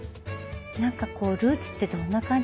なんかこうルーツってどんな感じだったんだろう。